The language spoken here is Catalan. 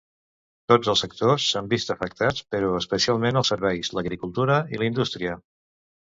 Tots els sectors s'han vist afectats, però especialment els serveis, l'agricultura i la indústria.